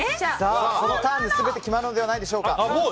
このターンで全て決まるのではないでしょうか。